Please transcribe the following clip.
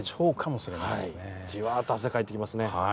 じわっと汗をかいてきますね。